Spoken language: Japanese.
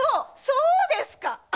そうですか！